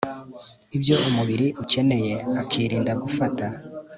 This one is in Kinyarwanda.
ibyo umubiri ukeneye akirinda gufata